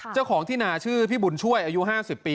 เจ้าของที่นาชื่อพี่บุญช่วยอายุ๕๐ปี